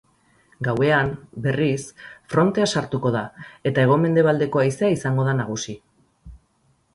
Gauean, berriz, frontea sartuko da eta hego-mendebaldeko haizea izango da nagusi.